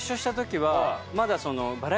まだ。